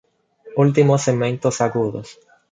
Últimos segmentos agudos.